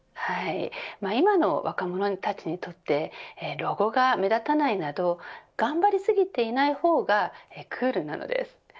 今の若者たちにとってロゴが目立たないなど頑張りすぎていないほうがクールなのです。